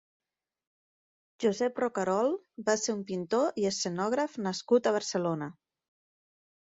Josep Rocarol va ser un pintor i escenògraf nascut a Barcelona.